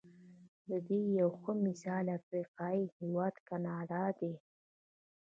د دې یو ښه مثال افریقايي هېواد ګانا دی.